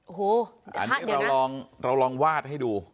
โอ้โหเดี๋ยวนะอันนี้เราลองเราลองวาดให้ดู